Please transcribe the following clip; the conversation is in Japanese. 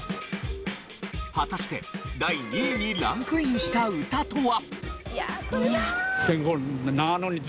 果たして第２位にランクインした歌とは？